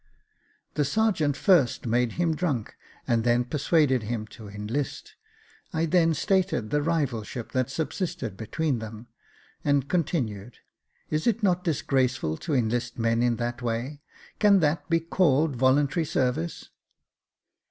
" The sergeant first made him drunk, and then per suaded him to enlist." I then stated the rivalship that subsisted between them, and continued, " Is it not dis graceful to enlist men in that way — can that be called voluntary service